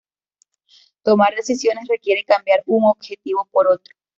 Tomar decisiones requiere cambiar un objetivo por otro".